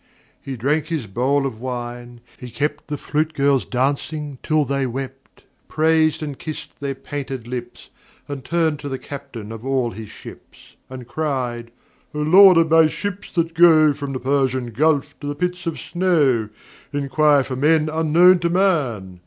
He drank his bowl of wine; he kept The flute girls dancing till they wept, Praised and kissed their painted lips, And turned to the Captain of All his Ships And cried, "O Lord of my Ships that go From the Persian Gulf to the Pits of Snow, Inquire for men unknown to man!"